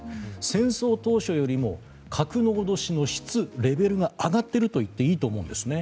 戦争当初よりも核の脅しの質、レベルが上がっていると言っていいと思うんですね。